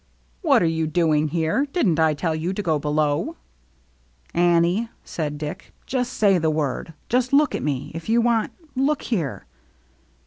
" What are you doing here ? Didn't I tell you to go below ?" "Annie," said Dick, "just say the word — just look at me — if you want — look here.